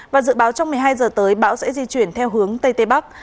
và dự báo trong một mươi hai giờ tới bão sẽ di chuyển theo hướng tây tây bắc